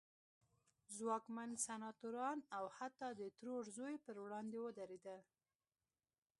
ځواکمن سناتوران او حتی د ترور زوی پر وړاندې ودرېدل.